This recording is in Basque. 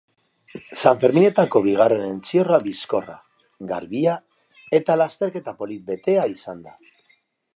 Sanferminetako bigarren entzierroa bizkorra, garbia eta lasterketa polit betea izan da.